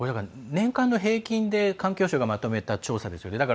年間の平均で環境省がまとめた調査ですよね。